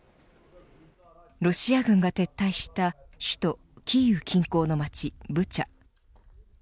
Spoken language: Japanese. ロシア軍が撤退した首都キーウ近郊の街ブチャ